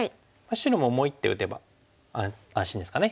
白ももう一手打てば安心ですかね。